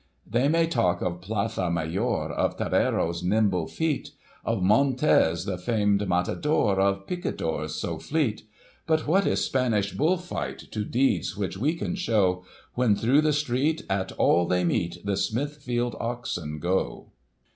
They may talk oi plaza mayors, of torero's nimble feat. Of MoNTEZ, the famed matador, oi picadors so fleet ; But what is Spanish Bull fight to deeds which we can show, When through the street, at all they meet, the Smithfield oxen go